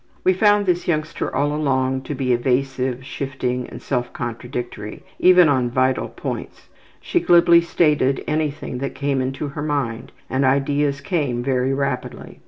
We found this youngster all along to be evasive, shifting and self contradictory, even on vital points. She glibly stated anything that came into her mind, and ideas came very rapidly.